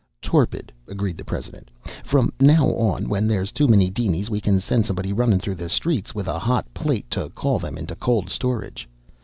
"Torpid," agreed the president. "From now on when there's too many dinies we can send somebody runnin' through the streets with a hot plate to call them into cold storage.